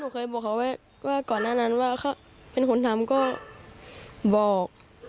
เคยบอกเขาไว้ว่าก่อนหน้านั้นว่าเขาเป็นคนทำก็บอก